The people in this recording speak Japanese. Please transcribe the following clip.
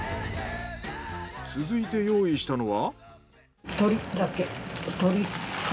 続いて用意したのは。